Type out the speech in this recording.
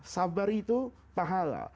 sabar itu pahala